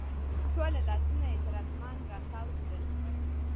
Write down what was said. ټوله لاسونه یې تر اسمان راتاو کړل